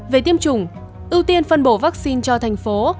về tiêm chủng ưu tiên phân bổ vaccine cho thành phố